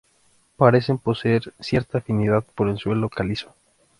Parecen poseer cierta afinidad por el suelo calizo.